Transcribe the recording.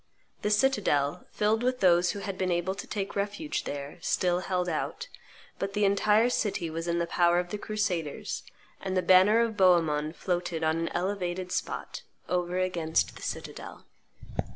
The citadel, filled with those who had been able to take refuge there, still held out; but the entire city was in the power of the crusaders, and the banner of Bohemond floated on an elevated spot over against the citadel.